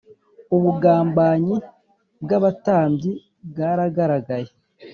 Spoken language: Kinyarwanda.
ubugambanyi bw’abatambyi bwaragaragaye